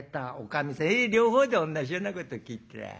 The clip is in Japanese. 「ヘヘ両方でおんなしようなこと聞いてら。